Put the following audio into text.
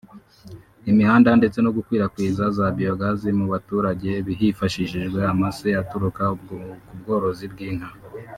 imihanda ndetse no gukwirakwiza za biogas mu baturage hifashishijwe amase aturuka kubworozi bw’inka